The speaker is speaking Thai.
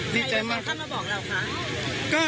ใครหายล่าข้ำมาบอกเรากะ